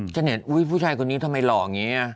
เน็ตอุ๊ยผู้ชายคนนี้ทำไมหล่ออย่างนี้